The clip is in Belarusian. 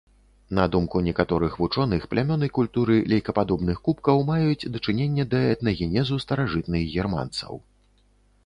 На думку некаторых вучоных, плямёны культуры лейкападобных кубкаў маюць дачыненне да этнагенезу старажытных германцаў.